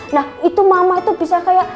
nah itu mama itu bisa kayak